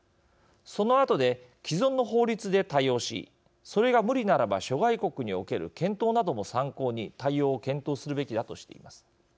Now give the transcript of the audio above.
そのあとで、既存の法律で対応しそれが無理ならば諸外国における検討なども参考に対応を検討するべきだとしています。